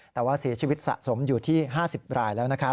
แต่ว่าเสียชีวิตสะสมอยู่ที่๕๐รายแล้วนะครับ